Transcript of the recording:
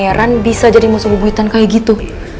pangeran bisa jadi musuh buhutan kayak gitu